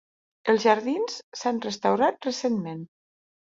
Els jardins s'han restaurat recentment.